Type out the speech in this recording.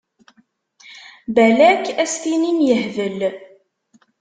Balak ad s-tinim yehbel.